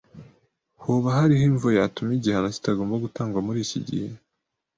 Hoba hariho imvo yatuma igihano kitagomba gutangwa muriki gihe?